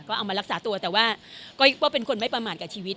ก็เอามารักษาตัวแต่ว่าก็เป็นคนไม่ประมาทกับชีวิต